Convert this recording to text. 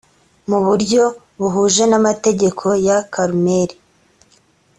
mu buryo buhuje n amategeko ya karurmeli